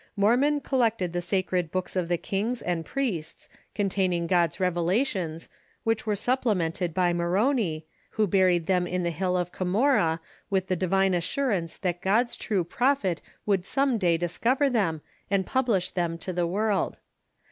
Mormon collected the sacred books of the kings and priests, containing God's revelations, which were supplemented by Moroni, who buried them in the hill of Cumorah with the divine assurance that God's true prophet would some day dis cover them and publish them to the world.